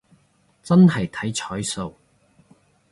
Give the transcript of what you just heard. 真係睇彩數